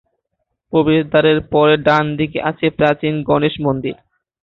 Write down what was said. প্রবেশদ্বারের পরে ডান দিকে আছে প্রাচীন গণেশ মন্দির।